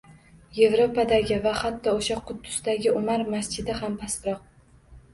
Yevropadagi va hatto o‘sha Quddusdagi Umar masjidi ham pastroq